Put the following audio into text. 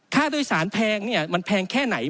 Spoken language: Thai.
ค่าโดยสารแพงมันแพงแค่ไหน